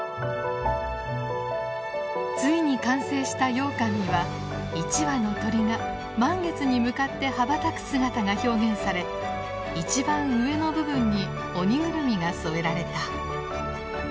ついに完成したようかんには一羽の鳥が満月に向かって羽ばたく姿が表現され一番上の部分にオニグルミが添えられた。